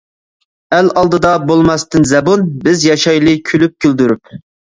ئەل ئالدىدا بولماستىن زەبۇن، بىز ياشايلى كۈلۈپ كۈلدۈرۈپ.